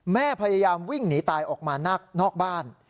แม่พยายามวิ่งหนีตายออกมานอกบ้าน